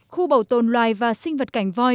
khu bảo tồn loài và sinh vật cảnh voi